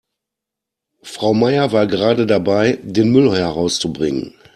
Frau Meier war gerade dabei, den Müll herauszubringen.